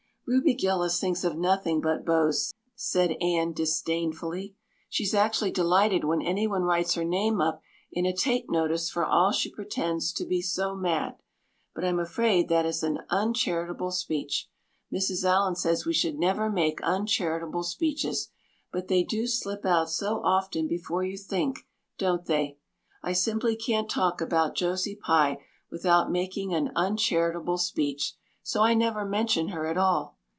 "Ruby Gillis thinks of nothing but beaus," said Anne disdainfully. "She's actually delighted when anyone writes her name up in a take notice for all she pretends to be so mad. But I'm afraid that is an uncharitable speech. Mrs. Allan says we should never make uncharitable speeches; but they do slip out so often before you think, don't they? I simply can't talk about Josie Pye without making an uncharitable speech, so I never mention her at all.